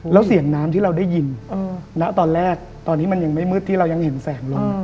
แล้วเสียงน้ำที่เราได้ยินณตอนแรกตอนนี้มันยังไม่มืดที่เรายังเห็นแสงลม